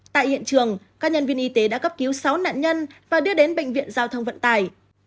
tại hiện trường các nhân viên y tế đã cấp cứu sáu nạn nhân và đưa đến bệnh viện giao thông vận tài